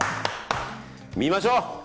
見ましょう。